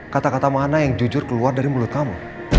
kata kata mana yang jujur keluar dari mulut kamu